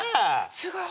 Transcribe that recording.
すごい。